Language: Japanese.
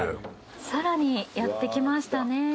さらにやってきましたね。